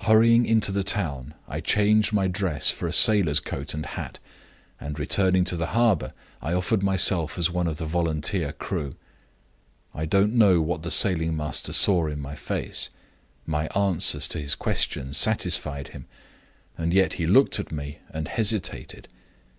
Hurrying into the town, I changed my dress for a sailor's coat and hat, and, returning to the harbor, I offered myself as one of the volunteer crew. I don't know what the sailing master saw in my face. My answers to his questions satisfied him, and yet he looked at me and hesitated.